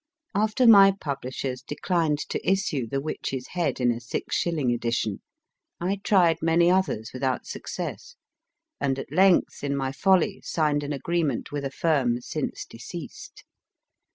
After my publishers declined to issue The Witch s Head in a six shilling edition, I tried many others without success, and at length in my folly signed an agreement with a firm since deceased.